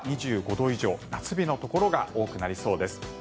度以上夏日のところが多くなりそうです。